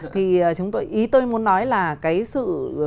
thì chúng tôi ý tôi muốn nói là cái sự